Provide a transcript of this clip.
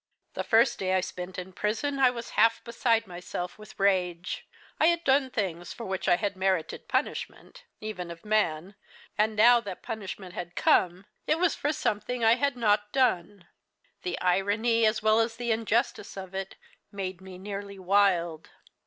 "The first day I spent in prison I was half beside myself with rage. I had done things for which I had merited punishment, even of man, and now that punishment had come, it was for something I had not done. The irony, as well as the injustice of it, made me nearly wild.